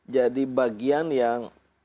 jadi bagian yang